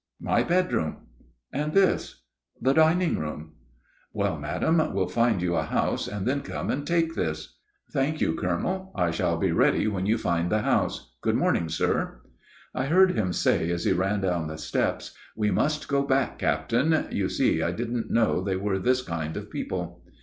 "My bedroom." "And this?" "The dining room." "Well, madam, we'll find you a house and then come and take this." "Thank you, colonel; I shall be ready when you find the house. Good morning, sir." I heard him say as he ran down the steps, "We must go back, captain; you see I didn't know they were this kind of people."